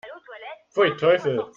Pfui, Teufel!